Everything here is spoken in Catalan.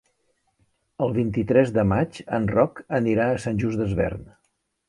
El vint-i-tres de maig en Roc anirà a Sant Just Desvern.